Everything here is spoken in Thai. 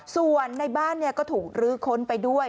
ส่วนในบ้านก็ถูกลื้อค้นไปด้วย